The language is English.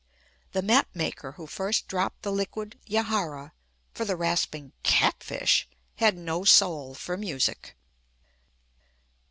The map maker who first dropped the liquid "Yahara" for the rasping "Catfish" had no soul for music.